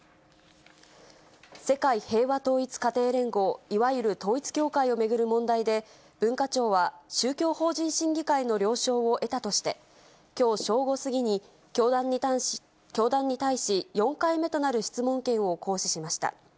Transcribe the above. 世界平和統一家庭連合、いわゆる統一教会を巡る問題で、文化庁は宗教法人審議会の了承を得たとして、きょう正午過ぎに教団に対し、４回目となる質問権を行使しました。